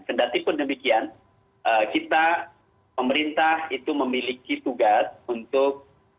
kedatipun demikian kita pemerintah itu memiliki tugas untuk